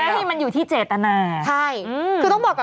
แม้ว่ามันอยู่ที่เจตนาใช่คือต้องบอกแบบว่า